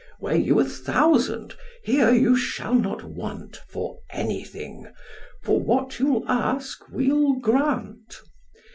Were you a thousand, here you shall not want For anything; for what you'll ask we'll grant.